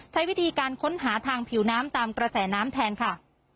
ใช้วิธีการค้นหาทางผิวน้ำตามกระแสน้ำแทนค่ะ